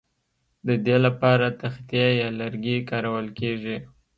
د دې لپاره تختې یا لرګي کارول کیږي